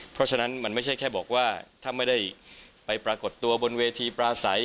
เพราะฉะนั้นมันไม่ใช่แค่บอกว่าถ้าไม่ได้ไปปรากฏตัวบนเวทีปลาใส